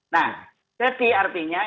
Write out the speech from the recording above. nah jadi artinya